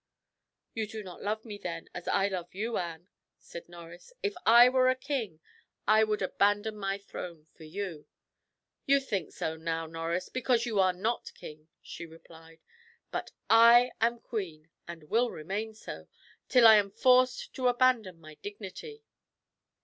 "You do not love me, then, as I love you, Anne," said Norris. "If I were a king, I would abandon my throne for you." "You think so now, Norris, because you are not king," she replied. "But I am queen, and will remain so, till I am forced to abandon my dignity."